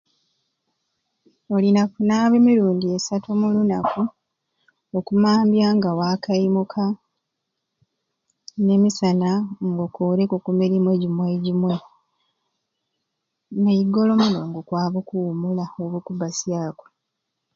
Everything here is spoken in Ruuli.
Olina kunaaba emirundi esatu omu lunaku oku mambya nga wakaimuka ne misana nga okoreku oku mirimu egyimwei gyimwei n'eigolo omuno nga okwaba okuwumula oba nga okwaba okubasyaku